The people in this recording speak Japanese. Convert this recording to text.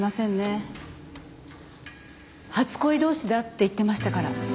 初恋同士だって言ってましたから。